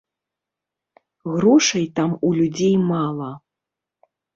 Грошай там у людзей мала.